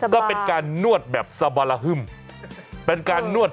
ให้รู้สึกฟินสบาย